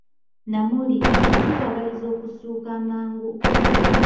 Namuli, tukwagaliza okussuuka amangu!